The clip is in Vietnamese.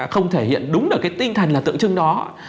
không thể hiện đúng được cái tinh thần là tượng trưng đó